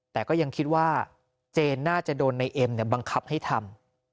แต่ก็ยังคิดว่าเจนน่าจะโดนในเอ็มบังคับให้ทำ